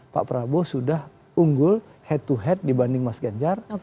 pak prabowo sudah unggul head to head dibanding mas ganjar